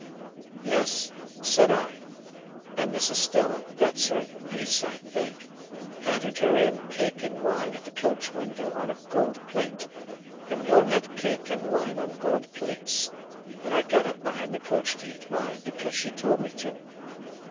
"Yes," said I. "And Miss Estella—that's her niece, I think—handed her in cake and wine at the coach window, on a gold plate. And we all had cake and wine on gold plates. And I got up behind the coach to eat mine, because she told me to."